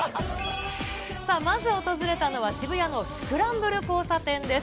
さあ、まず訪れたのは、渋谷のスクランブル交差点です。